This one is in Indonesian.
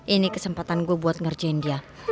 ini kesempatan gue buat ngerjain dia